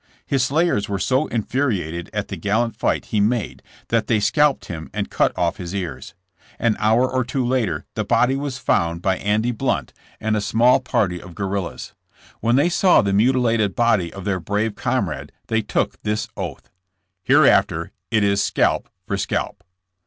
His slayers were so infuriated at the gallant fight he made that they scalped him and cut off his ears. An hour or two later the body was found by Andy Blunt and a small JESSE JAMKS AS A GUERRILtA. 43 party of guerrillas. ,When they saw the mutilated body of their brave comrade they took this oath : ''Hereafter it is scalp for scalp.